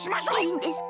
いいんですか！？